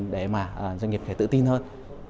để mà doanh nghiệp có thể tự tin hơn